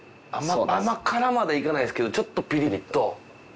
甘辛までいかないですけどちょっとピリッと。